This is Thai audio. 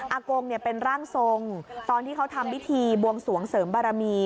กงเป็นร่างทรงตอนที่เขาทำพิธีบวงสวงเสริมบารมี